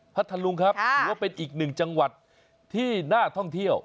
พัทธลุงครับถือว่าเป็นอีกหนึ่งจังหวัดที่น่าท่องเที่ยว